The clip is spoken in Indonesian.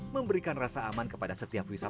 memberikan rasa aman kepada setiap wisatawan